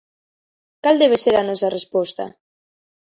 Cal debe ser a nosa resposta?